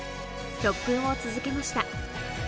特訓を続けました。